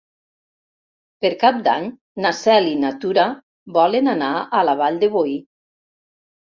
Per Cap d'Any na Cel i na Tura volen anar a la Vall de Boí.